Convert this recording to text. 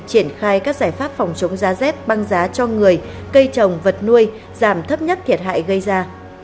triển khai các giải pháp phòng chống giá rét băng giá cho người cây trồng vật nuôi giảm thấp nhất thiệt hại gây ra